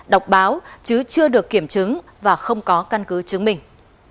đọc báo chứ chưa được kiểm chứng và không có căn cứ chứng minh